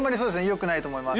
良くないと思います。